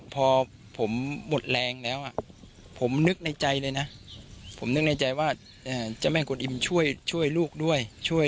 พอผมหมดแรงแล้วผมนึกในใจเลยนะผมนึกในใจว่าเจ้าแม่กวนอิมช่วยลูกด้วยช่วย